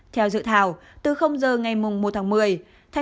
theo dự thảo từ giờ ngày một tháng một mươi tp hcm